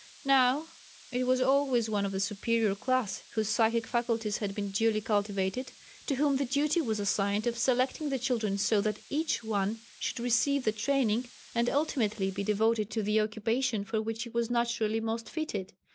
Now it was always one of the superior class whose psychic faculties had been duly cultivated, to whom the duty was assigned of selecting the children so that each one should receive the training, and ultimately be devoted to the occupation, for which he was naturally most fitted.